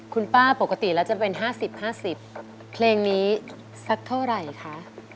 คุณป้าปกติแล้วจะเป็นห้าสิบห้าสิบเพลงนี้สักเท่าไรคะ